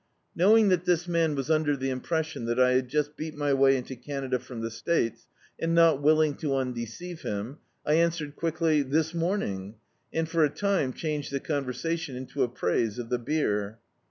Knowing that this man was under the impression that I had just beat my way into Canada from the States, and not willing to undeceive him, I answered <juickly "This morning," and for a time changed the con versation into a praise of the beer.